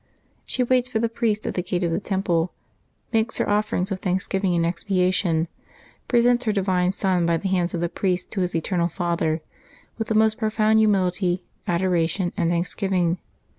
She waits for the priest at the gate of the Temple, makes her offerings of thanksgiving and expiation, presents her divine Son by the hands of the priest to His Eternal Father, with the most profound humility, adoration, and thanksgiving.